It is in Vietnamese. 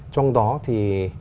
trong đó thì